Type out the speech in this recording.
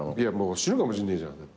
死ぬかもしんねえじゃんだって。